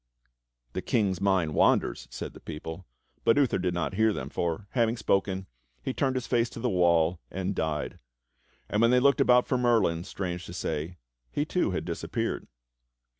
"The King's mind wanders," said the people. But Uther did not hear them, for, having spoken, he turned his face to the wall and died; and when they looked about for Merlin, strange to say, he too had disappeared.